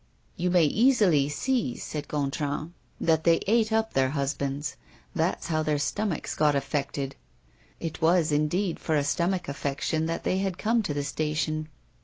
"You may easily see," said Gontran, "that they ate up their husbands; that's how their stomachs got affected." It was, indeed, for a stomach affection that they had come to the station.